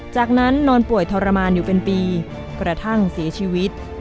จากนั้นนอนป่วยทรมานอยู่เป็นปีกระทั่งเสียชีวิต